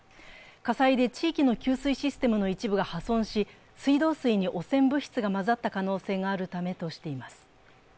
火災で地域の給水システムの一部が破損し、水道水に汚染物質が混ざった可能性があるためとしています。